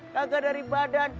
kagak dari badan